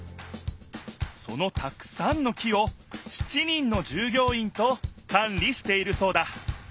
そのたくさんの木を７人のじゅうぎょういんとかん理しているそうだ